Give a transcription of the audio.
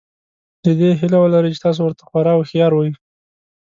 د دې هیله ولرئ چې تاسو ورته خورا هوښیار وئ.